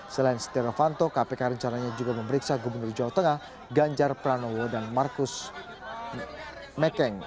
selain setia novanto kpk rencananya juga memeriksa gubernur jawa tengah ganjar pranowo dan marcus mekeng